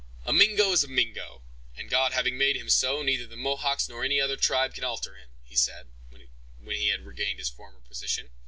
"A Mingo is a Mingo, and God having made him so, neither the Mohawks nor any other tribe can alter him," he said, when he had regained his former position.